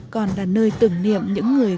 còn là nơi tưởng niệm những người